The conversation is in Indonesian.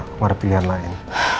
aku gak ada pilihan lain